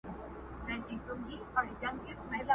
پاچا مخكي ورپسې سل نوكران وه !.